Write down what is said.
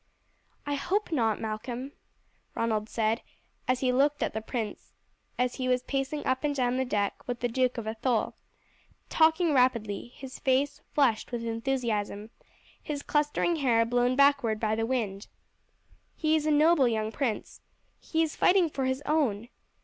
"I hope not, Malcolm," Ronald said, as he looked at the prince as he was pacing up and down the deck with the Duke of Athole, talking rapidly, his face flushed with enthusiasm, his clustering hair blown backward by the wind. "He is a noble young prince. He is fighting for his own.